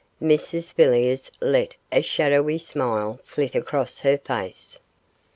Mrs Villiers let a shadowy smile flit across her face.